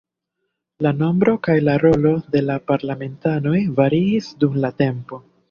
La nombro kaj la rolo de la parlamentanoj variis dum la tempo.